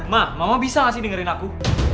ma mama bisa nggak sih dengerin aku